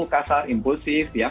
kasar impulsif ya